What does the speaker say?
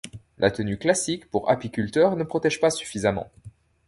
La tenue classique pour apiculteur ne protège pas suffisamment.